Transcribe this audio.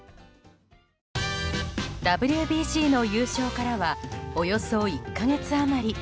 ＷＢＣの優勝からはおよそ１か月余り。